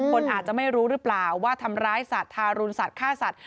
คนอาจจะไม่รู้หรือเปล่าว่าทำร้ายสัตว์ทารุณสัตว์ฆ่าสัตว